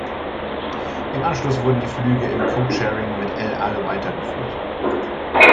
Im Anschluss wurden die Flüge im Codesharing mit El Al weitergeführt.